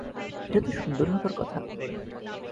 এটা তো সুন্দর হবার কথা।